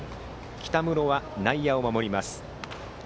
北室は内野を守ります。